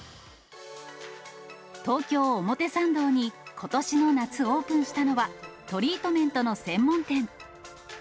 東京・表参道にことしの夏、オープンしたのは、トリートメントの専門店。